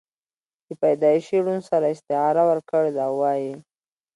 دَپيدائشي ړوند سره استعاره ورکړې ده او وائي: